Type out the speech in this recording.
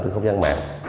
trên không gian mạng